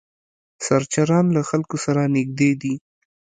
سرچران له خلکو سره نږدې دي.